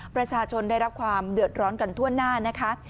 ประชาชนได้รับความเดือดร้อนกันทั่วหน้านะคะ